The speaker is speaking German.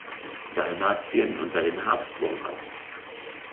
Dalmatien unter den Habsburgern.